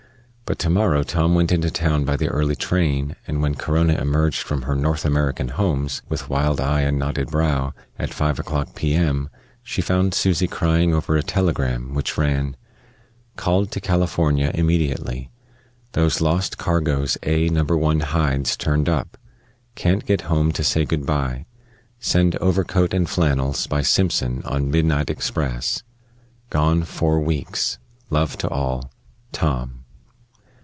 But to morrow Tom went into town by the early train, and when Corona emerged from her "North American Homes," with wild eye and knotted brow, at 5 o'clock p.m., she found Susy crying over a telegram which ran: Called to California immediately. Those lost cargoes A No. 1 hides turned up. Can't get home to say good by. Send overcoat and flannels by Simpson on midnight express. Gone four weeks. Love to all. TOM.